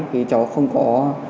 thì chó không có